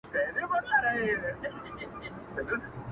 چي هر پردی راغلی دی زړه شینی دی وتلی!